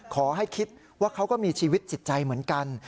ขอให้คิดว่าเขาก็มีชีวิตจิตใจเหมือนกัน